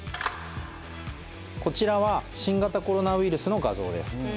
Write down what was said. こちらは新型コロナウイルスの画像です